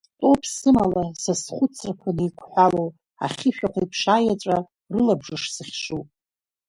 Стәоуп сымала, са схәыцрақәа неиқәҳәало, ахьы шәахәеиԥш аеҵәа рылабжыш сыхьшуп.